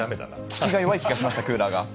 効きが弱い気がしました、クーラーが。